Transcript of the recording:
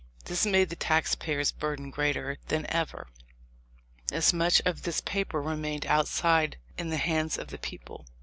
This made the tax payer's burdens greater than ever, as much of this paper remained outstanding in the hands of the people.